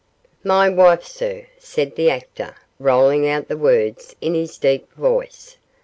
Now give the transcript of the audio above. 'My wife, sir,' said the actor, rolling out the words in his deep voice.